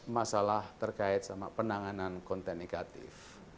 masalah terkait sama penanganan konten negatif